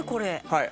はい。